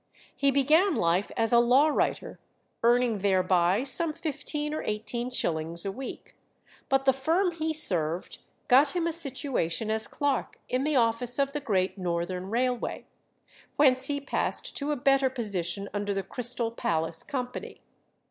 He began life as a law writer, earning thereby some fifteen or eighteen shillings a week; but the firm he served got him a situation as clerk in the office of the Great Northern Railway, whence he passed to a better position under the Crystal Palace Company.